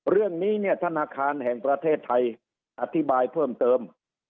เรื่องนี้เนี่ยธนาคารแห่งประเทศไทยอธิบายเพิ่มเติม